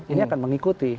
ini akan mengikuti